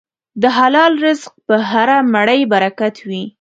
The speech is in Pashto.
د حلال رزق په هره مړۍ برکت وي.